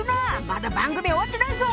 まだ番組終わってないぞ！